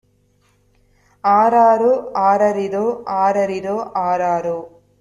ஆராரோ ஆரரிரோ ஆரரிரோ ஆராரோ!